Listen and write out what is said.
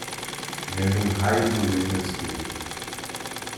Vendo um raio de luz no escuro